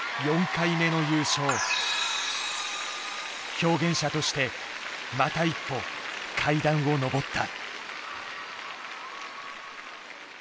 表現者としてまた一歩階段を上った。